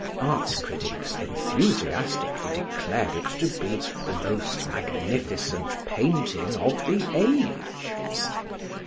Art critics enthusiastically declared it to be the most magnificent painting of the age.